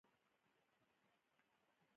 زمرد د افغانستان د ښاري پراختیا سبب کېږي.